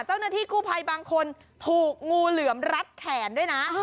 เจ้าหน้าที่กู้ภัยบางคนถูกงูเหลือมรัดแขนด้วยนะ